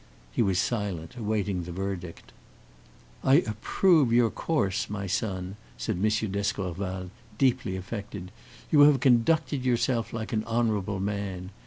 He was silent, awaiting the verdict. "I approve your course, my son," said M. d'Escorval, deeply affected; "you have conducted yourself like an honorable man.